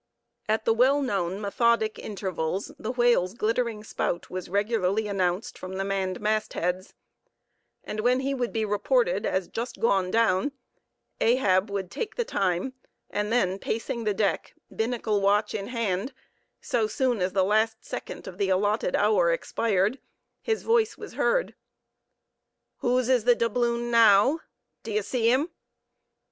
At the well known, methodic intervals, the whale's glittering spout was regularly announced from the manned mastheads; and when he would be reported as just gone down, Ahab would take the time, and then pacing the deck, binnacle watch in hand, so soon as the last second of the allotted hour expired, his voice was heard. "Whose is the doubloon now? D'ye see him?"